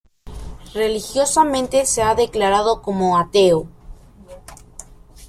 Religiosamente se ha declarado como ateo.